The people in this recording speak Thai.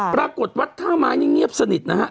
ปรากฏวัดท่าไม้นี่เงียบสนิทนะฮะ